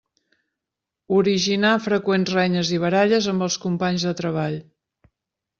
Originar freqüents renyes i baralles amb els companys de treball.